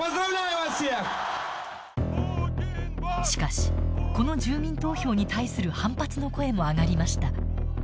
しかしこの住民投票に対する反発の声も上がりました。